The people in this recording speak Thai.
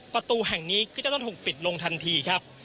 ประตูแห่งนี้ก็จะต้องถูกปิดลงทันทีครับ